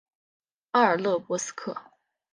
阿尔勒博斯克。